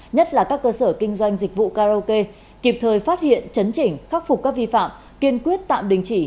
nhất là các cơ sở kinh doanh dịch vụ karaoke kịp thời phát hiện chấn chỉnh khắc phục các vi phạm kiên quyết tạm đình chỉ